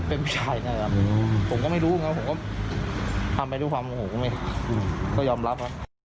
เป็นผู้ชายนะครับผมก็ไม่รู้ครับผมก็ทำไปด้วยความโมโหไงก็ยอมรับ